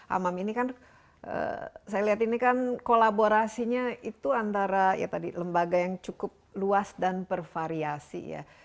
amam ini kan saya lihat ini kan kolaborasinya itu antara ya tadi lembaga yang cukup luas dan bervariasi ya